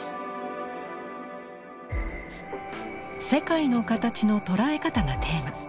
「世界の形の捉え方」がテーマ。